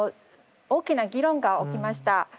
大きな議論が起きました。